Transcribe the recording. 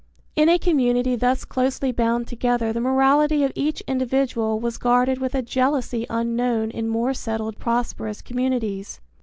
In a community thus closely bound together the morality of each individual was guarded with a jealousy unknown in more settled prosperous communities.